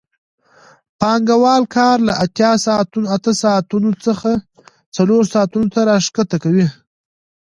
پانګوال کار له اته ساعتونو څخه څلور ساعتونو ته راښکته کوي